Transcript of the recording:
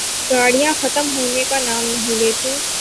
گاڑیاں ختم ہونے کا نام نہیں لیتیں۔